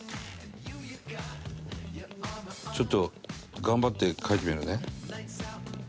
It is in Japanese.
「ちょっと頑張って書いてみるね」